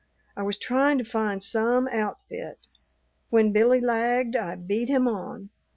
I was tryin' to find some outfit. When Billy lagged I beat him on.